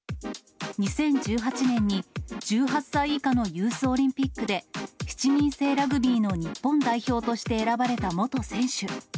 ２０１８年に、１８歳以下のユースオリンピックで、７人制ラグビーの日本代表として選ばれた元選手。